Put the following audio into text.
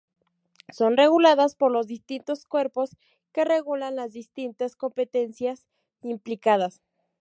Son reguladas por los distintos cuerpos que regulan las distintas competencias implicadas.